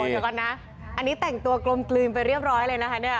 เดี๋ยวก่อนนะอันนี้แต่งตัวกลมกลืนไปเรียบร้อยเลยนะคะเนี่ย